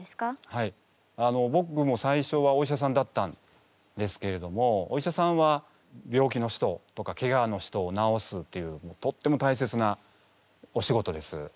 はいぼくも最初はお医者さんだったんですけれどもお医者さんは病気の人とかけがの人を治すっていうとっても大切なお仕事です。